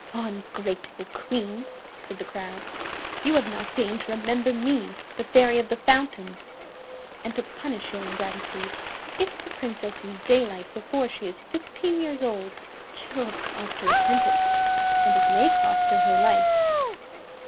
"Ungrateful Queen," said the crab, "you have not deigned to remember me, the Fairy of the Fountain; and to punish your ingratitude, if the Princess sees daylight before she is fifteen years old, she will have cause to repent it, and it may cost her her life.